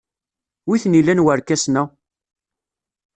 Wi t-nilan warkasen-a?